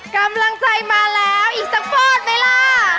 กำลังใจมาแล้วอีกสักฟอดไหมล่ะ